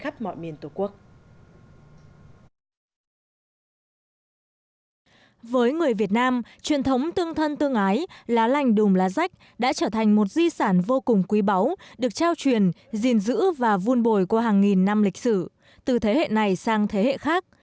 với người việt nam truyền thống tương thân tương ái lá lành đùm lá rách đã trở thành một di sản vô cùng quý báu được trao truyền gìn giữ và vun bồi qua hàng nghìn năm lịch sử từ thế hệ này sang thế hệ khác